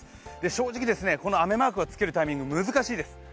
正直、この雨マークをつけるタイミングが難しいです。